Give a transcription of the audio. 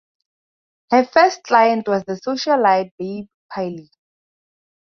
Her first client was the socialite Babe Paley.